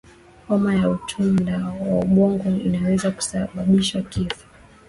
homa ya utandu wa ubongo inaweza kusababisha kifo